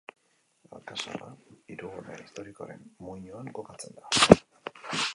Alkazarra hirigune historikoaren muinoan kokatzen da.